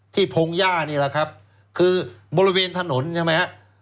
พงหญ้านี่แหละครับคือบริเวณถนนใช่ไหมฮะ